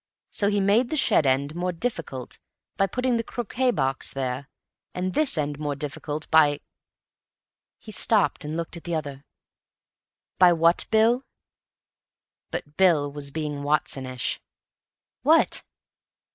So he made the shed end more difficult by putting the croquet box there, and this end more difficult by—" he stopped and looked at the other "by what, Bill?" But Bill was being Watsonish. "What?"